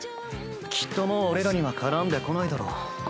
きっともう俺らには絡んでこないだろ。